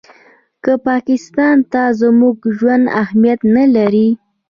که پاکستان ته زموږ ژوند اهمیت نه لري.